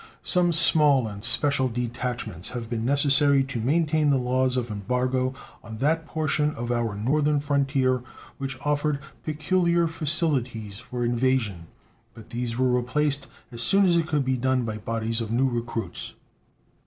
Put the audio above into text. Some small and special detachments have been necessary to maintain the laws of embargo on that portion of our northern frontier which offered peculiar facilities for evasion, but these were replaced as soon as it could be done by bodies of new recruits.